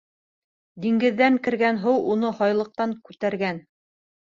Диңгеҙҙән кергән һыу уны һайлыҡтан күтәргән.